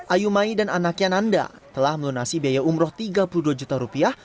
ayumai dan anaknya nanda telah melunasi biaya umroh tiga puluh dua juta rupiah